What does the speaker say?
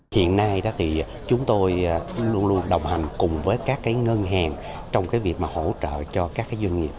hiện nay chúng tôi luôn luôn đồng hành cùng với các ngân hàng trong việc hỗ trợ cho các doanh nghiệp